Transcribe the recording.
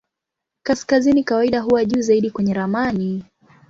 Kaskazini kawaida huwa juu zaidi kwenye ramani.